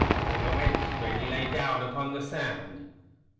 Whither went ye when ye lay down upon the sand.